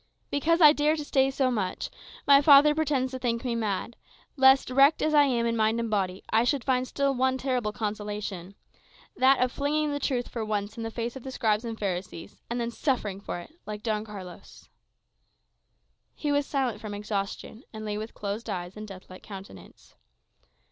Because I dare to say so much, my father pretends to think me mad; lest, wrecked as I am in mind and body, I should still find one terrible consolation, that of flinging the truth for once in the face of the scribes and Pharisees, and then suffering for it like Don Carlos." He was silent from exhaustion, and lay with closed eyes and deathlike countenance.